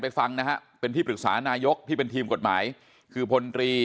ฟังนะฮะเป็นที่ปรึกษานายกที่เป็นทีมกฎหมายคือพลตรี